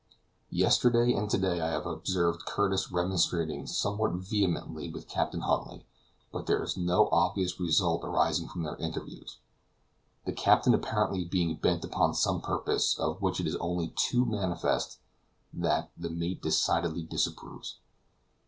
Yesterday and to day I have observed Curtis remonstrating somewhat vehemently with Captain Huntly, but there is no obvious result arising from their interviews; the captain apparently being bent upon some purpose, of which it is only too manifest that the mate decidedly disapproves.